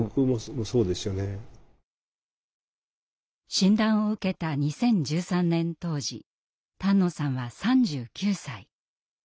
診断を受けた２０１３年当時丹野さんは３９歳。